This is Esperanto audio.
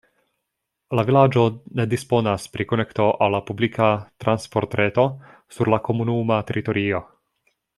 La vilaĝo ne disponas pri konekto al la publika transportreto sur la komunuma teritorio.